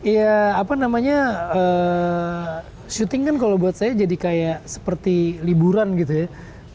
ya apa namanya syuting kan kalau buat saya jadi kayak seperti liburan gitu ya